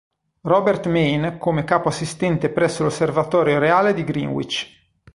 Robert Main come capo assistente presso l'Osservatorio Reale di Greenwich.